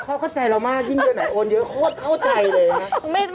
เขาเข้าใจเรามากยิ่งเดือนไหนโอนเยอะโคตรเข้าใจเลยนะ